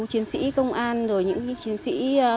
chiến sĩ công an rồi những chiến sĩ